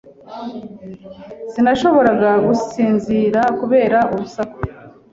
Sinashoboraga gusinzira kubera urusaku.